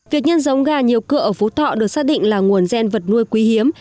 việc nhân giống gà nhiều cưa ở phú thọ được xác định là nguồn gen vật nuôi quý hiếm